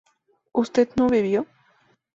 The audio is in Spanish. ¿usted no bebió?